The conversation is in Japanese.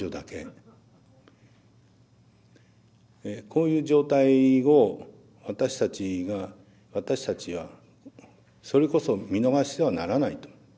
こういう状態を私たちが私たちはそれこそ見逃してはならないと。